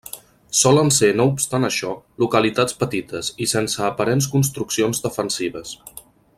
Solen ser no obstant això, localitats petites, i sense aparents construccions defensives.